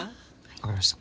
分かりました。